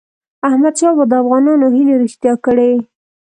احمدشاه بابا د افغانانو هیلې رښتیا کړی.